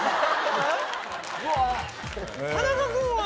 田中君は？